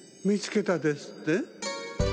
みつけたですって？